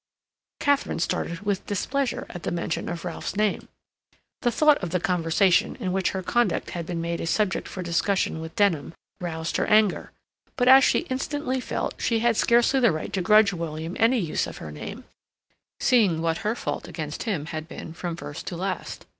Katharine started with displeasure at the mention of Ralph's name. The thought of the conversation in which her conduct had been made a subject for discussion with Denham roused her anger; but, as she instantly felt, she had scarcely the right to grudge William any use of her name, seeing what her fault against him had been from first to last.